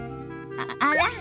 あら？